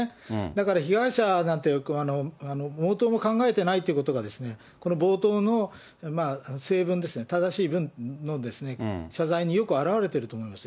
だから被害者なんて毛頭も考えてないということが、この冒頭の正文ですね、正しい文の謝罪によく表れていると思います。